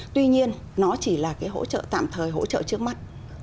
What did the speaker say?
tuy nhiên nó chỉ là cái hỗ trợ tạm thời hỗ trợ trước mắt